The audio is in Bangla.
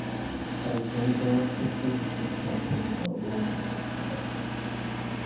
তাই জল দেওয়ার ক্ষেত্রে বিশেষ সাবধানতা অবলম্বন করতে হবে।